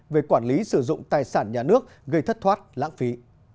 về quản lý sử dụng tài sản nhà nước gây thất thoát lãng phí